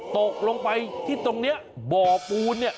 ตกลงไปที่ตรงนี้บ่อปูน